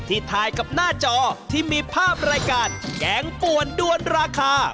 ถ่ายกับหน้าจอที่มีภาพรายการแกงป่วนด้วนราคา